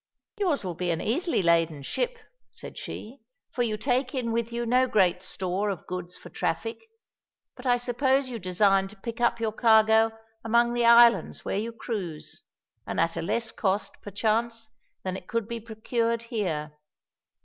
"Yours will be an easily laden ship," said she, "for you take in with you no great store of goods for traffic. But I suppose you design to pick up your cargo among the islands where you cruise, and at a less cost, perchance, than it could be procured here?"